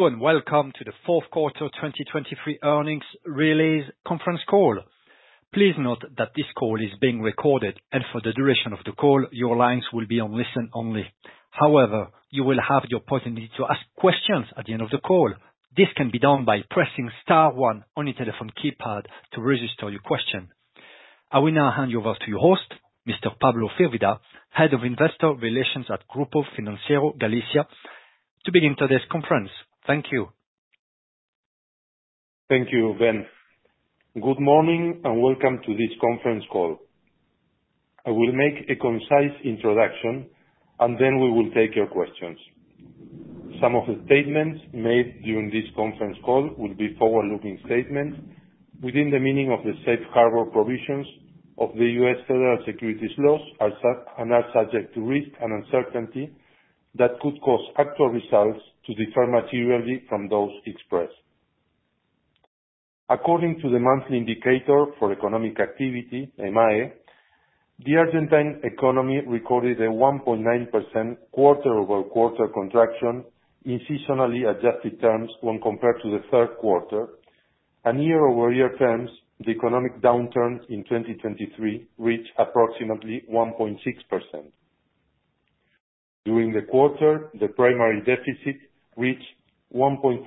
Welcome to the fourth quarter 2023 earnings release conference call. Please note that this call is being recorded, and for the duration of the call, your lines will be on listen only. However, you will have the opportunity to ask questions at the end of the call. This can be done by pressing *1 on your telephone keypad to register your question. I will now hand you over to your host, Mr. Pablo Firvida, Head of Investor Relations at Grupo Financiero Galicia, to begin today's conference. Thank you. Thank you, Ben. Good morning and welcome to this conference call. I will make a concise introduction, and then we will take your questions. Some of the statements made during this conference call will be forward-looking statements within the meaning of the safe harbor provisions of the U.S. Federal Securities Laws are subject to risk and uncertainty that could cause actual results to differ materially from those expressed. According to the Monthly Indicator for Economic Activity, EMAE, the Argentine economy recorded a 1.9% quarter-over-quarter contraction in seasonally adjusted terms when compared to the third quarter. On year-over-year terms, the economic downturn in 2023 reached approximately 1.6%. During the quarter, the primary deficit reached 1.5%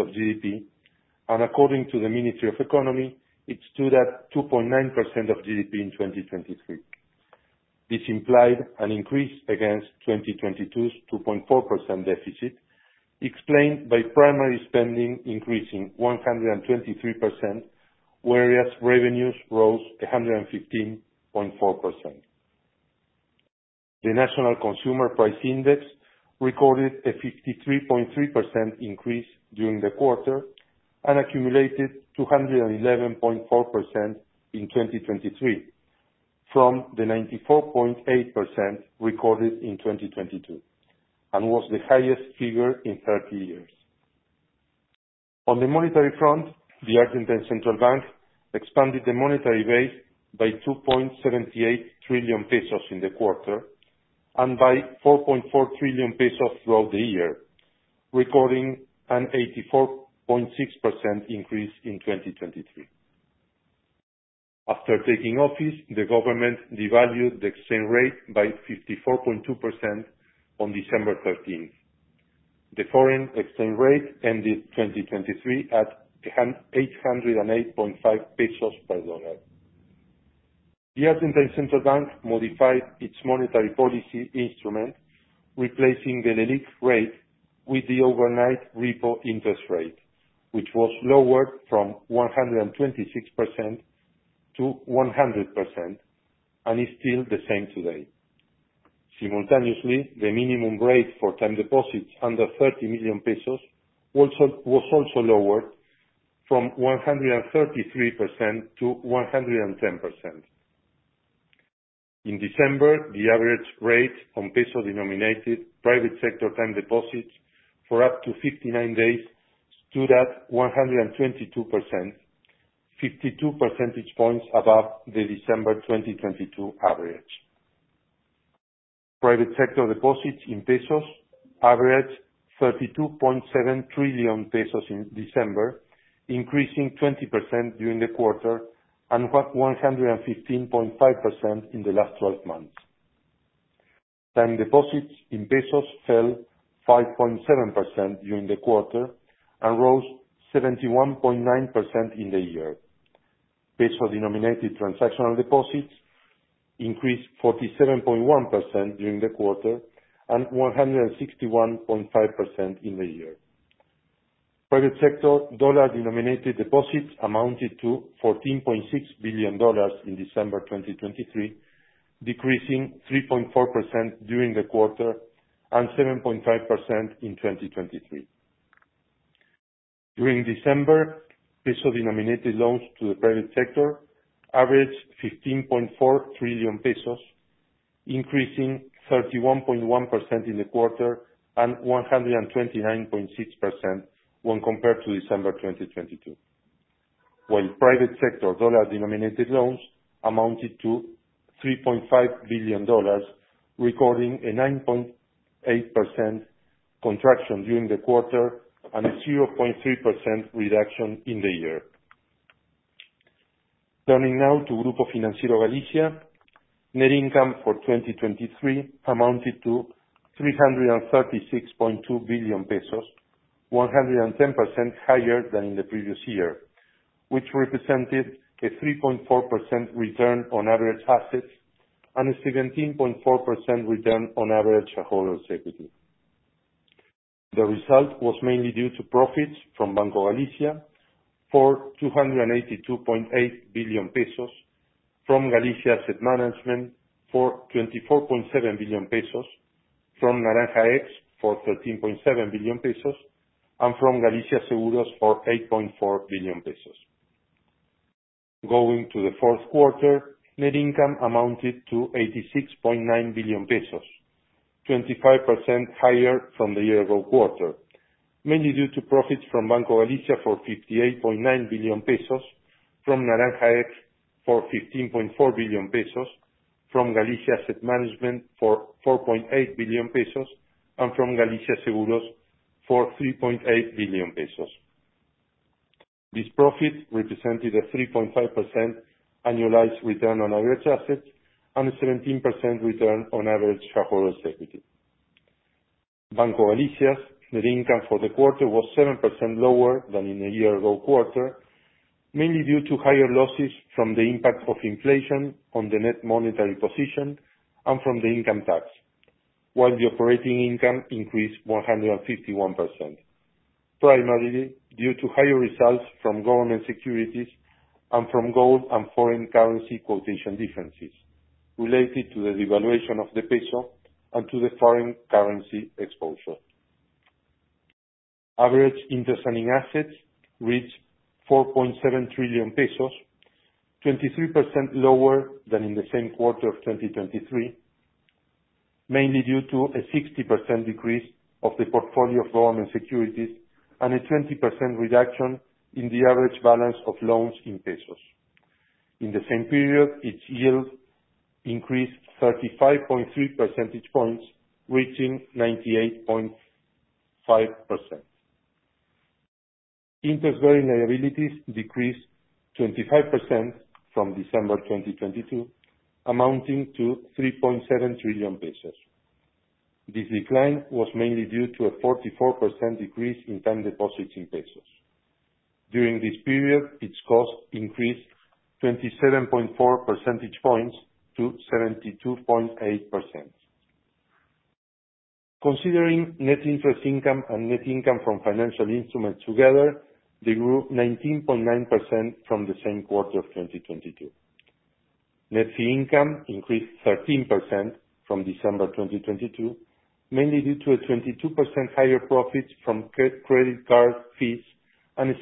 of GDP, and according to the Ministry of Economy, it stood at 2.9% of GDP in 2023. This implied an increase against 2022's 2.4% deficit, explained by primary spending increasing 123%, whereas revenues rose 115.4%. The National Consumer Price Index recorded a 53.3% increase during the quarter and accumulated 211.4% in 2023 from the 94.8% recorded in 2022 and was the highest figure in 30 years. On the monetary front, the Argentine Central Bank expanded the monetary base by 2.78 trillion pesos in the quarter and by 4.4 trillion pesos throughout the year, recording an 84.6% increase in 2023. After taking office, the government devalued the exchange rate by 54.2% on December 13th. The foreign exchange rate ended 2023 at 808.5 pesos per dollar. The Argentine Central Bank modified its monetary policy instrument, replacing the LELIC rate with the overnight repo interest rate, which was lowered from 126% to 100% and is still the same today. Simultaneously, the minimum rate for time deposits under 30 million pesos was also lowered from 133% to 110%. In December, the average rate on peso-denominated private sector time deposits for up to 59 days stood at 122%, 52 percentage points above the December 2022 average. Private sector deposits in pesos averaged 32.7 trillion pesos in December, increasing 20% during the quarter and 115.5% in the last 12 months. Time deposits in pesos fell 5.7% during the quarter and rose 71.9% in the year. Peso-denominated transactional deposits increased 47.1% during the quarter and 161.5% in the year. Private sector dollar-denominated deposits amounted to $14.6 billion in December 2023, decreasing 3.4% during the quarter and 7.5% in 2023. During December, peso-denominated loans to the private sector averaged 15.4 trillion pesos, increasing 31.1% in the quarter and 129.6% when compared to December 2022, while private sector dollar-denominated loans amounted to $3.5 billion, recording a 9.8% contraction during the quarter and a 0.3% reduction in the year. Turning now to Grupo Financiero Galicia, net income for 2023 amounted to 336.2 billion pesos, 110% higher than in the previous year, which represented a 3.4% return on average assets and a 17.4% return on average holders' equity. The result was mainly due to profits from Banco Galicia for 282.8 billion pesos, from Galicia Asset Management for 24.7 billion pesos, from Naranja X for 13.7 billion pesos, and from Galicia Seguros for 8.4 billion pesos. Going to the fourth quarter, net income amounted to 86.9 billion pesos, 25% higher from the year-ago quarter, mainly due to profits from Banco Galicia for 58.9 billion pesos, from Naranja X for 15.4 billion pesos, from Galicia Asset Management for 4.8 billion pesos, and from Galicia Seguros for 3.8 billion pesos. This profit represented a 3.5% annualized return on average assets and a 17% return on average holders' equity. Banco Galicia's net income for the quarter was 7% lower than in the year-ago quarter, mainly due to higher losses from the impact of inflation on the net monetary position and from the income tax, while the operating income increased 151%, primarily due to higher results from government securities and from gold and foreign currency quotation differences related to the devaluation of the peso and to the foreign currency exposure. Average interest-ending assets reached 4.7 trillion pesos, 23% lower than in the same quarter of 2023, mainly due to a 60% decrease of the portfolio of government securities and a 20% reduction in the average balance of loans in pesos. In the same period, its yield increased 35.3 percentage points, reaching 98.5%. Interest-bearing liabilities decreased 25% from December 2022, amounting to 3.7 trillion pesos. This decline was mainly due to a 44% decrease in time deposits in pesos. During this period, its cost increased 27.4 percentage points to 72.8%. Considering net interest income and net income from financial instruments together, they grew 19.9% from the same quarter of 2022. Net fee income increased 13% from December 2022, mainly due to a 22% higher profit from credit card fees and a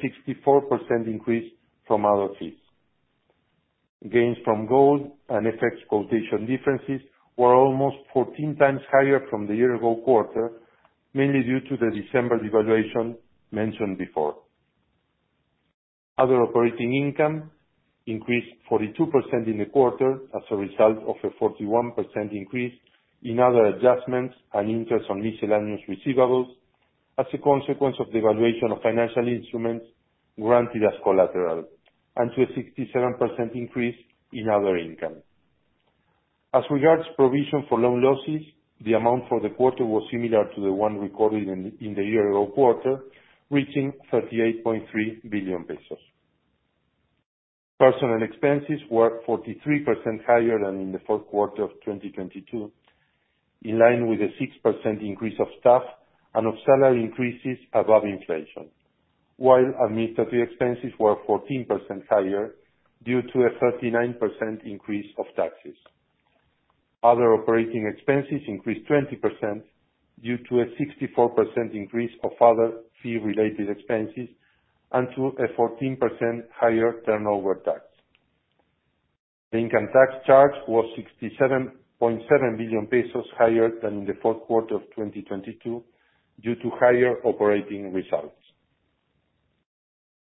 64% increase from other fees. Gains from gold and FX quotation differences were almost 14 times higher from the year-ago quarter, mainly due to the December devaluation mentioned before. Other operating income increased 42% in the quarter as a result of a 41% increase in other adjustments and interest on miscellaneous receivables as a consequence of devaluation of financial instruments granted as collateral, and to a 67% increase in other income. As regards provision for loan losses, the amount for the quarter was similar to the one recorded in the year-ago quarter, reaching 38.3 billion pesos. Personal expenses were 43% higher than in the fourth quarter of 2022, in line with a 6% increase of staff and of salary increases above inflation, while administrative expenses were 14% higher due to a 39% increase of taxes. Other operating expenses increased 20% due to a 64% increase of other fee-related expenses and to a 14% higher turnover tax. The income tax charge was 67.7 billion pesos higher than in the fourth quarter of 2022 due to higher operating results.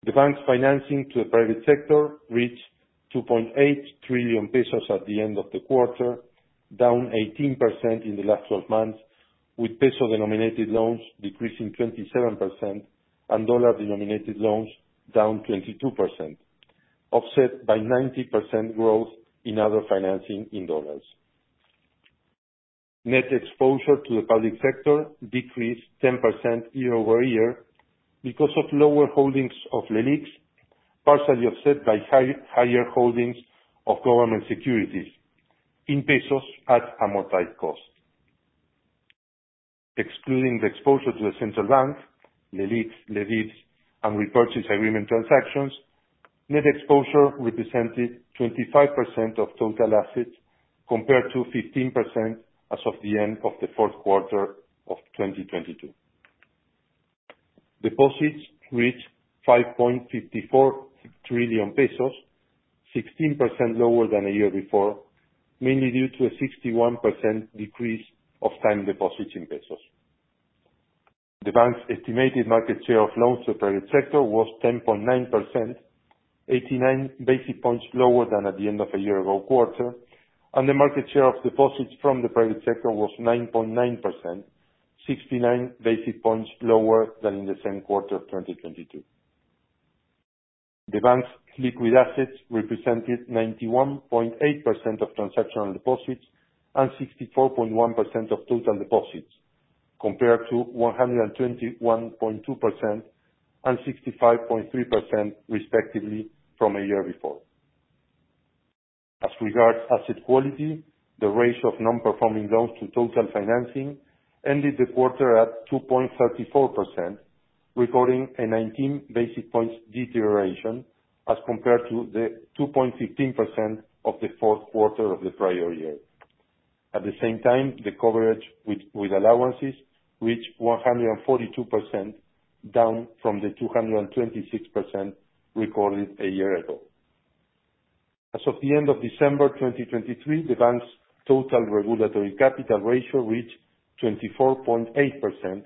The bank's financing to the private sector reached 2.8 trillion pesos at the end of the quarter, down 18% in the last 12 months, with peso-denominated loans decreasing 27% and dollar-denominated loans down 22%, offset by 90% growth in other financing in dollars. Net exposure to the public sector decreased 10% year-over-year because of lower holdings of Leliqs, partially offset by higher holdings of government securities in pesos at amortized cost. Excluding the exposure to the central bank, Leliqs, LEDIVs, and repurchase agreement transactions, net exposure represented 25% of total assets compared to 15% as of the end of the fourth quarter of 2022. Deposits reached 5.54 trillion pesos, 16% lower than a year before, mainly due to a 61% decrease of time deposits in pesos. The bank's estimated market share of loans to the private sector was 10.9%, 89 basis points lower than at the end of a year-ago quarter, and the market share of deposits from the private sector was 9.9%, 69 basis points lower than in the same quarter of 2022. The bank's liquid assets represented 91.8% of transactional deposits and 64.1% of total deposits, compared to 121.2% and 65.3% respectively from a year before. As regards asset quality, the ratio of non-performing loans to total financing ended the quarter at 2.34%, recording a 19 basis points deterioration as compared to the 2.15% of the fourth quarter of the prior year. At the same time, the coverage with allowances reached 142%, down from the 226% recorded a year ago. As of the end of December 2023, the bank's total regulatory capital ratio reached 24.8%,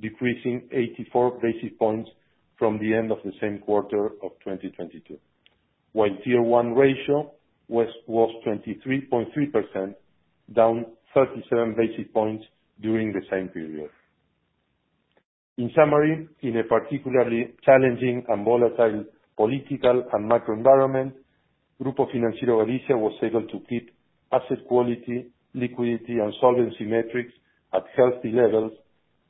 decreasing 84 basis points from the end of the same quarter of 2022, while Tier 1 ratio was 23.3%, down 37 basis points during the same period. In summary, in a particularly challenging and volatile political and macro environment, Grupo Financiero Galicia was able to keep asset quality, liquidity, and solvency metrics at healthy levels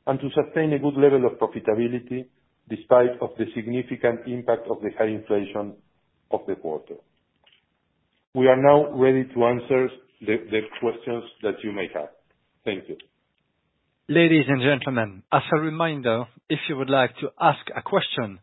and to sustain a good level of profitability despite the significant impact of the high inflation of the quarter. We are now ready to answer the questions that you may have. Thank you. Ladies and gentlemen, as a reminder, if you would like to ask a question,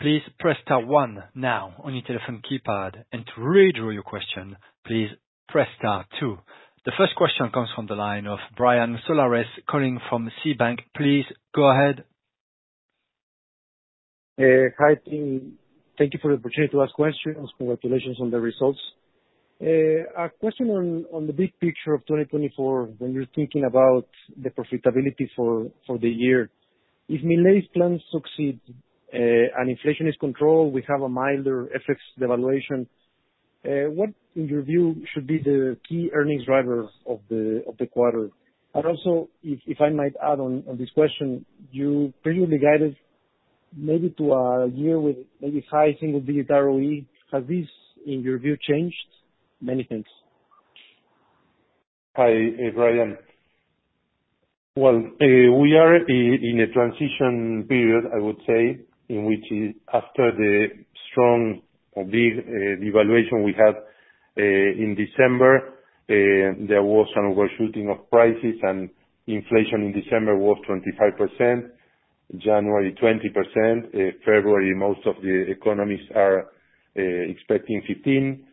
please press star one now on your telephone keypad, and to redraw your question, please press star two. The first question comes from the line of Brian Flores calling from Citibank. Please go ahead. Hi. Thank you for the opportunity to ask questions. Congratulations on the results. A question on the big picture of 2024, when you're thinking about the profitability for the year, if Milei's plans succeed and inflation is controlled, we have a milder FX devaluation, what, in your view, should be the key earnings driver of the quarter? And also, if I might add on this question, you previously guided maybe to a year with maybe high single-digit ROE. Has this, in your view, changed many things? Hi, Brian. Well, we are in a transition period, I would say, in which after the strong or big devaluation we had in December, there was an overshooting of prices, and inflation in December was 25%, January 20%, February most of the economists are expecting 15%.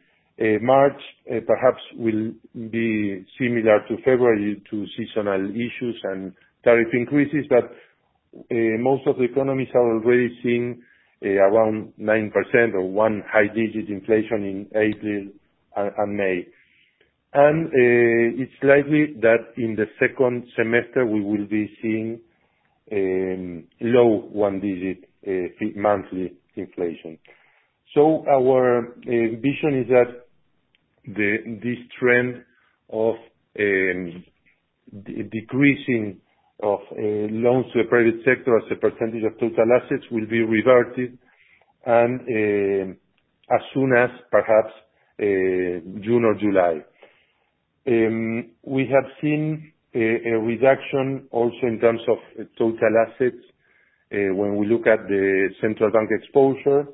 March, perhaps, will be similar to February to seasonal issues and tariff increases, but most of the economists are already seeing around 9% or one high-digit inflation in April and May. It's likely that in the second semester, we will be seeing low one-digit monthly inflation. So our vision is that this trend of decreasing of loans to the private sector as a percentage of total assets will be reverted as soon as, perhaps, June or July. We have seen a reduction also in terms of total assets when we look at the central bank exposure,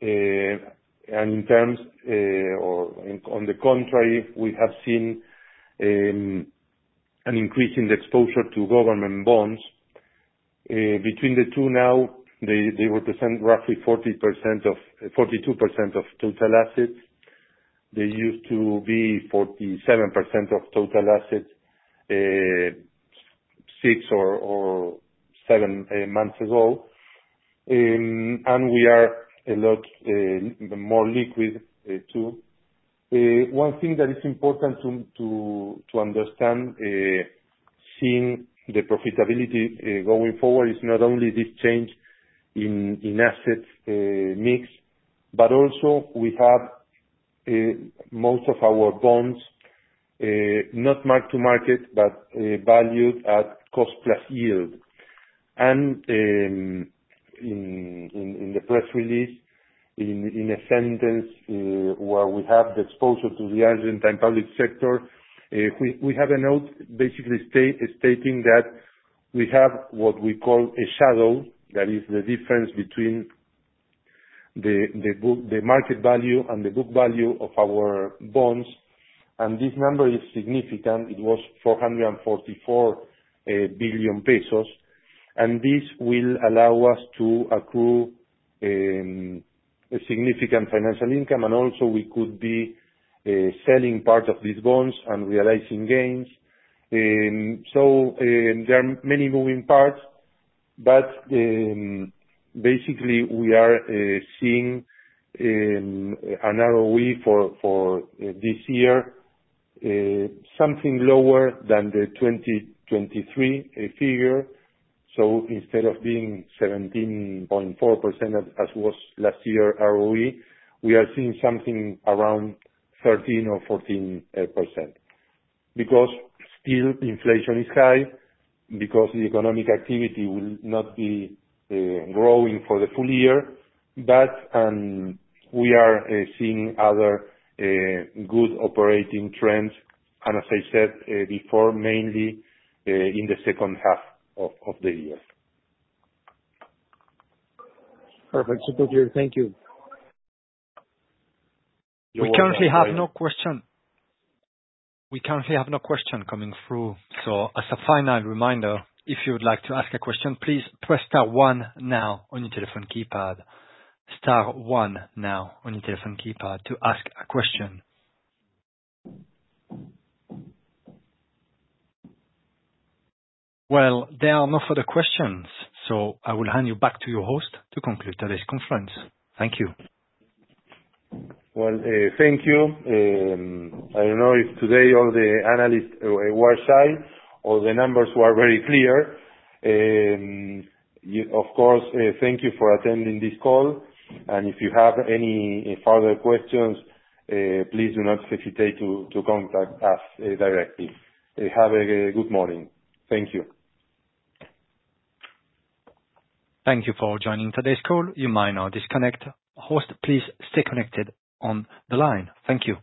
and in terms or on the contrary, we have seen an increase in the exposure to government bonds. Between the two now, they represent roughly 42% of total assets. They used to be 47% of total assets 6 or 7 months ago, and we are a lot more liquid, too. One thing that is important to understand seeing the profitability going forward is not only this change in asset mix, but also we have most of our bonds not marked to market, but valued at cost-plus yield. And in the press release, in a sentence where we have the exposure to the Argentine public sector, we have a note basically stating that we have what we call a shadow, that is, the difference between the market value and the book value of our bonds. And this number is significant. It was 444 billion pesos. And this will allow us to accrue a significant financial income, and also we could be selling part of these bonds and realizing gains. So there are many moving parts, but basically, we are seeing an ROE for this year something lower than the 2023 figure. So instead of being 17.4% as was last year ROE, we are seeing something around 13% or 14% because still inflation is high, because the economic activity will not be growing for the full year, and we are seeing other good operating trends, and as I said before, mainly in the second half of the year. Perfect. Super clear, thank you. We currently have no question. We currently have no question coming through. So as a final reminder, if you would like to ask a question, please press star one now on your telephone keypad. Star one now on your telephone keypad to ask a question. Well, there are no further questions, so I will hand you back to your host to conclude today's conference. Thank you. Well, thank you. I don't know if today all the analysts were shy or the numbers were very clear. Of course, thank you for attending this call. If you have any further questions, please do not hesitate to contact us directly. Have a good morning. Thank you. Thank you for joining today's call. You might now disconnect. Host, please stay connected on the line. Thank you.